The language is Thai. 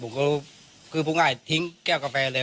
ผมก็คือพูดง่ายทิ้งแก้วกาแฟเลย